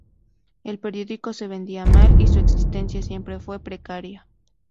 El periódico se vendía mal y su existencia siempre fue precaria.